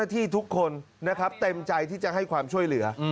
ที่ทุกคนนะครับเต็มใจที่จะให้ความช่วยเหลือ